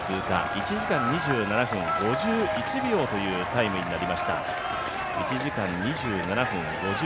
１時間２７分５１秒というタイムになりました。